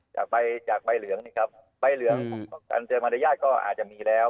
จากใบจากใบเหลืองนี่ครับใบเหลืองอันเจอมารยาทก็อาจจะมีแล้ว